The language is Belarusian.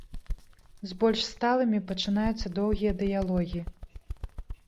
З больш сталымі пачынаюцца доўгія дыялогі.